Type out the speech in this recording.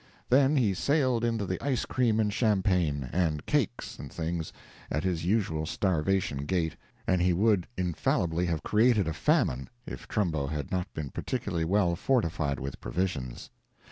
Then he sailed into the ice cream and champagne, and cakes and things, at his usual starvation gait, and he would infallibly have created a famine, if Trumbo had not been particularly well fortified with provisions.